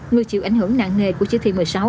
người chịu ảnh hưởng nạn nghề của chế thi một mươi sáu